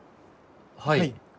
はい。